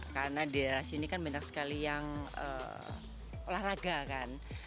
karena di daerah sini kan banyak sekali yang olahraga kan